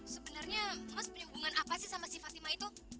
sebenarnya mas penyugungan apa sih sama si fatima itu